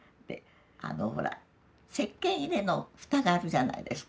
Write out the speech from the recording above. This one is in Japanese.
ほらせっけん入れの蓋があるじゃないですか。